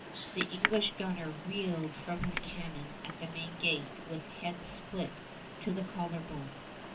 The English gunner reeled from his cannon at the main gate with head split to the collar bone.